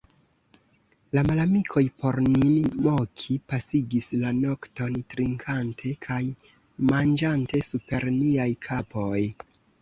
La malamikoj, por nin moki, pasigis la nokton trinkante kaj manĝante super niaj kapoj.